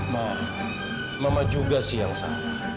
ma mama juga sih yang salah